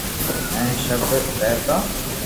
ھين شپ رھتو